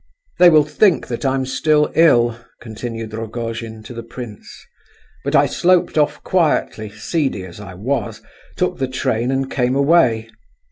"They will think that I'm still ill," continued Rogojin to the prince, "but I sloped off quietly, seedy as I was, took the train and came away.